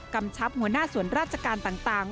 กำชับหัวหน้าส่วนราชการต่าง